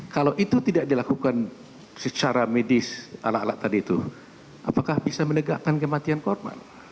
kalau itu tidak dilakukan secara medis alat alat tadi itu apakah bisa menegakkan kematian korban